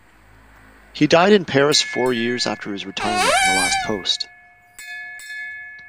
He died in Paris four years after his retirement from the last post.